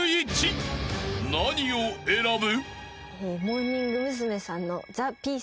［何を選ぶ？］